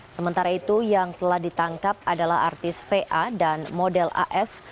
sementara itu yang telah ditangkap adalah artis va dan model as